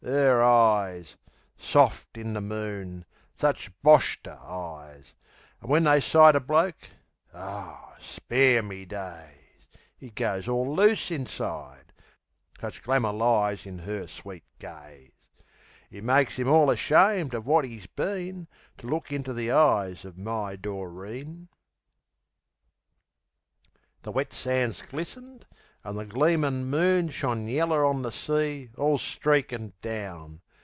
'Er eyes! Soft in the moon; such BOSHTER eyes! An' when they sight a bloke...O, spare me days! 'E goes all loose inside; such glamour lies In 'er sweet gaze. It makes 'im all ashamed uv wot 'e's been To look inter the eyes of my Doreen. The wet sands glistened, an' the gleamin' moon Shone yeller on the sea, all streakin' down.